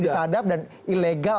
disadap dan ilegal